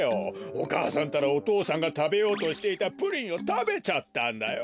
お母さんったらお父さんがたべようとしていたプリンをたべちゃったんだよ。